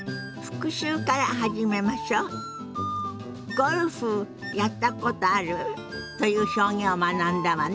「ゴルフやったことある？」という表現を学んだわね。